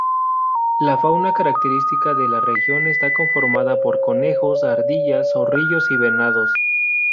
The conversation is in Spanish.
La fauna característica de la región está conformada por conejos, ardillas, zorrillos y venados.